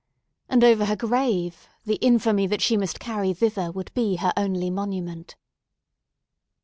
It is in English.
And over her grave, the infamy that she must carry thither would be her only monument.